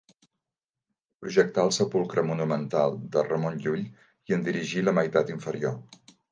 Projectà el sepulcre monumental de Ramon Llull i en dirigí la meitat inferior.